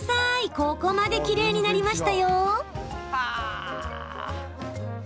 ここまできれいになりました。